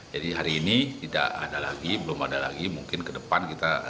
jadi hari ini tidak ada lagi belum ada lagi mungkin ke depan kita